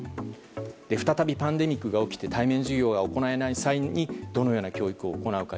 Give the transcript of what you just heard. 再びパンデミックが起きて対面授業が行えない際にどのような教育を行うか